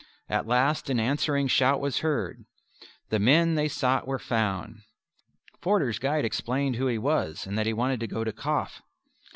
At last an answering shout was heard. The men they sought were found. Forder's guide explained who he was and that he wanted to go to Kaf.